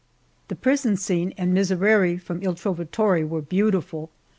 The prison scene and Miserere from Il Trovatore were beautiful.